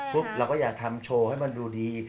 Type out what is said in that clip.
เราก็อย่าทำโชว์ให้มันดูดี